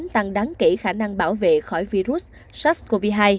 tăng đáng kể khả năng bảo vệ khỏi virus sars cov hai